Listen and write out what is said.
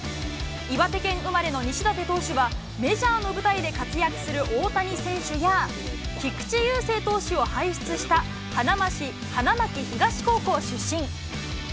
岩手県生まれの西舘投手は、メジャーの舞台で活躍する大谷選手や、菊池雄星投手を輩出した花巻東高校出身。